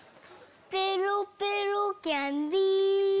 ペロペロキャンディ。